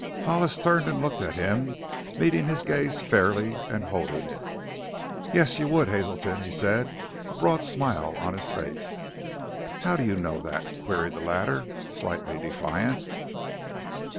Hollis turned and looked at him, meeting his gaze fairly, and holding it. "Yes, you would, Hazelton," he said, a broad smile on his face. "How do you know that?" queried the latter, slightly defiant.